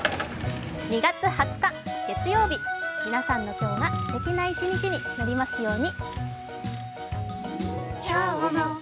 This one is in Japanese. ２月２０日月曜日、皆さんの今日がすてきな一日になりますように。